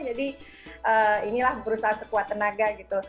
jadi inilah berusaha sekuat tenaga gitu